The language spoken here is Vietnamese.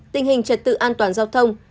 tình hình trật tự an toàn giao thông